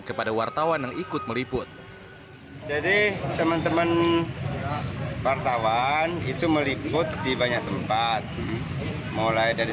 kepada wartawan yang ikut meliput jadi teman teman wartawan itu meliput di banyak tempat mulai dari